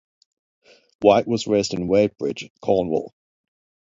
White was raised in Wadebridge, Cornwall.